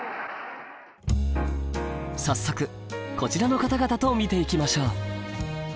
早速こちらの方々と見ていきましょう。